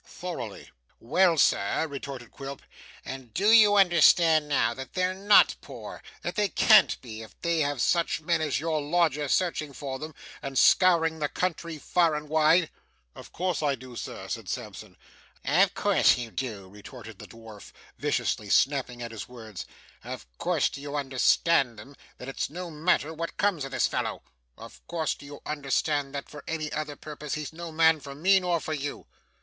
'Thoroughly.' 'Well, Sir,' retorted Quilp, 'and do you understand now, that they're not poor that they can't be, if they have such men as your lodger searching for them, and scouring the country far and wide?' 'Of course I do, Sir,' said Sampson. 'Of course you do,' retorted the dwarf, viciously snapping at his words. 'Of course do you understand then, that it's no matter what comes of this fellow? of course do you understand that for any other purpose he's no man for me, nor for you?